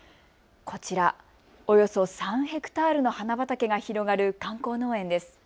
こちら、およそ３ｈａの花畑が広がる観光農園です。